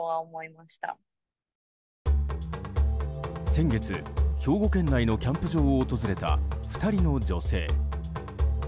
先月、兵庫県内のキャンプ場を訪れた２人の女性。